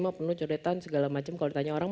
mah penuh codetan segala macem kalau ditanya orang